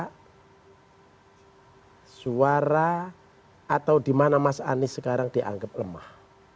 yang bisa mendungkrak suara atau dimana mas anies sekarang dianggap lemah